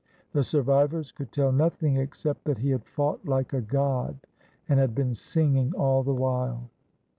The survivors could tell nothing except that he had fought like a god, and had been singing all the while.